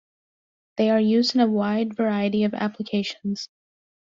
They are used in a wide variety of applications.